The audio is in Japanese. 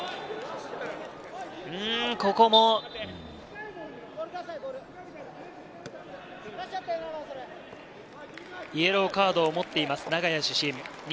ここもイエローカードを持っています、長谷主審。